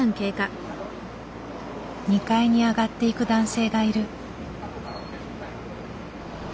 ２階に上がっていく男性がいる。